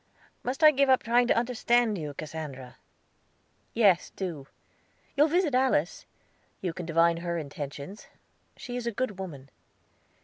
"Must I give up trying to understand you, Cassandra?" "Yes, do. You'll visit Alice? You can divine her intentions. She is a good woman."